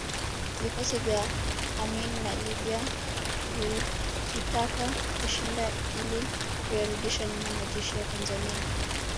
Vikosi vya Amin na Libya vilkitaka kushinda ili kuyarudisha nyuma majeshi ya Tanzania